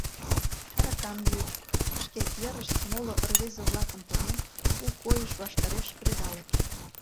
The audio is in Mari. Аракам йӱыт, шке йырышт моло рвезе-влакым поген, у койыш ваштареш кредалыт.